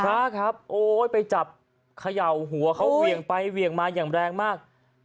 พระครับโอ๊ยไปจับขยัวหัวก็เวียงไปเวียงมาอย่างแรงมาก